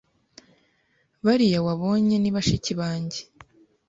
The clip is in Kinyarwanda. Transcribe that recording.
bariya wabonye ni bashiki banjye,